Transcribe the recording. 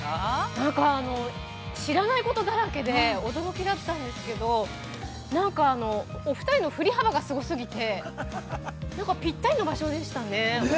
◆なんか、知らないことだらけで、驚きだったんですけど、なんか、お二人の振り幅がすごすぎて、何かぴったりの場所でしたね。